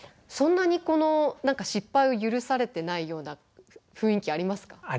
そんなに何か失敗を許されてないような雰囲気ありますか？